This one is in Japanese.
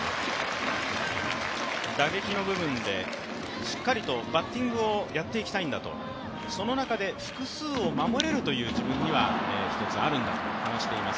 打撃の部分でしっかりとバッティングをやっていきたいんだとその中で複数を守れるという、自分には、一つあるんだと話しています